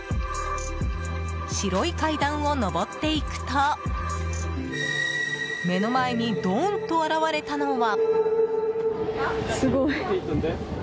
白い階段を上っていくと目の前にドーンと現れたのは。